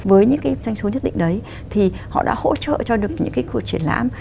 với những cái doanh số nhất định đấy thì họ đã hỗ trợ cho được những cái cuộc triển lãm